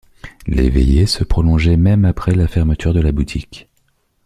Les veillées se prolongeaient même après la fermeture de la boutique.